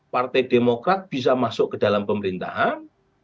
partai demokrat bisa masuk ke dalam pemerintahan